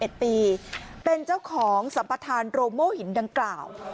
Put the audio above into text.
อายุ๗๑ปีเป็นเจ้าของสัมปัติธรรมโมหินดังกล่าว